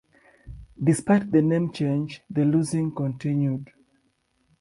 Despite the name change, the losing continued.